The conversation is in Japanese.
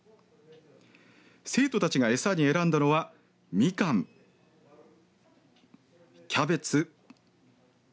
生徒たちが餌に選んだのはみかんキャベツ。